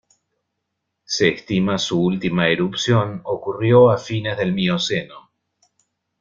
Se estima su última erupción ocurrió a fines del Mioceno.